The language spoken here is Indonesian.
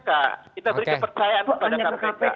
kita beri kepercayaan kepada kpp